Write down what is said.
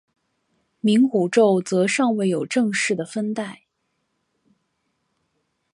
冥古宙则尚未有正式的分代。